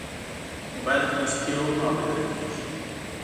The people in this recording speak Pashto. موبایل کې موسیقي هم اورېدل کېږي.